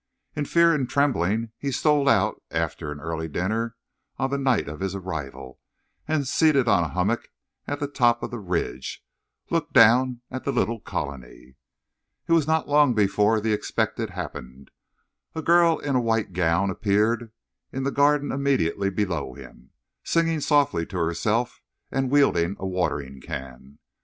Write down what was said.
In fear and trembling he stole out, after an early dinner on the night of his arrival, and, seated on a hummock at the top of the ridge, looked down at the little colony. It was not long before the expected happened. A girl in a white gown appeared in the garden immediately below him, singing softly to herself and wielding a watering can.